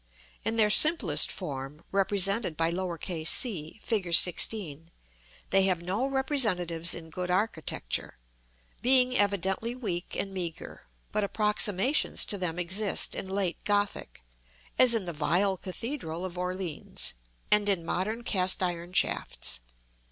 In their simplest form, represented by c, Fig. XVI., they have no representatives in good architecture, being evidently weak and meagre; but approximations to them exist in late Gothic, as in the vile cathedral of Orleans, and in modern cast iron shafts.